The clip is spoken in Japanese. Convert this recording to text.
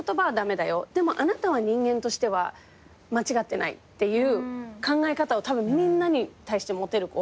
「でもあなたは人間としては間違ってない」っていう考え方をみんなに対して持てる子。